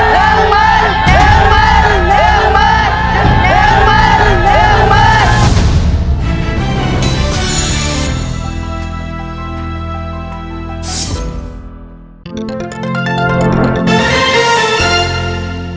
เลือกใหม่เลือกใหม่เลือกใหม่เลือกใหม่